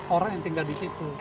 orang yang tinggal di situ